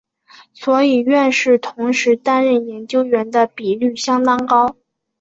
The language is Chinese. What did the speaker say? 所以院士同时担任研究员的比率相当高。